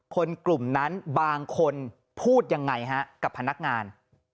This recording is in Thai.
กลุ่มนั้นบางคนพูดยังไงฮะกับพนักงาน